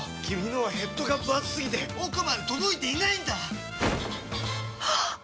君のはヘッドがぶ厚すぎて奥まで届いていないんだっ！